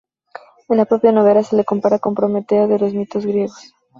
En la propia novela, se le compara con Prometeo de los mitos griegos.